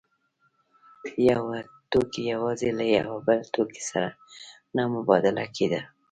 یو توکی یوازې له یو بل توکي سره نه مبادله کېده